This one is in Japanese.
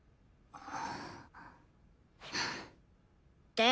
で？